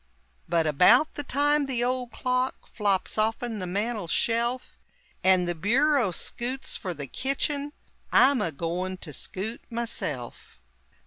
But about the time the old clock Flops off'n the mantel shelf, And the bureau skoots fer the kitchen, I'm a goin' to skoot, myself!